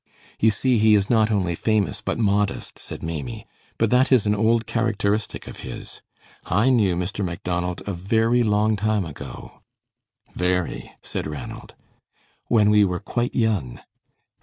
"You see, he is not only famous but modest," said Maimie; "but that is an old characteristic of his. I knew Mr. Macdonald a very long time ago." "Very," said Ranald. "When we were quite young."